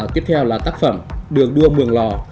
tiếp theo là tác phẩm đường đua mường lò